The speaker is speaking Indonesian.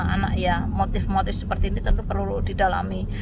anak ya motif motif seperti ini tentu perlu didalami